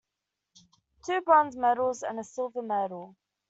Two bronze medals, and a silver medal.